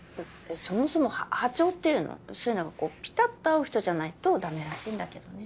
そもそも波長っていうのそういうのがピタッと合う人じゃないとダメらしいんだけどね